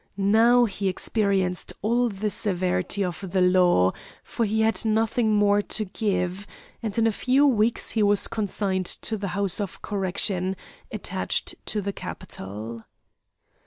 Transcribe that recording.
Now he experienced all the severity of the law, for he had nothing more to give, and in a few weeks he was consigned to the house of correction attached to the capital.